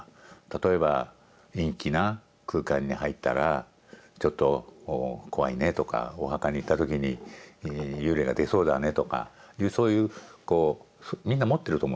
例えば陰気な空間に入ったらちょっと怖いねとかお墓に行った時に幽霊が出そうだねとかいうそういうこうみんな持ってると思うんです。